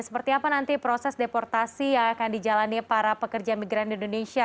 seperti apa nanti proses deportasi yang akan dijalani para pekerja migran di indonesia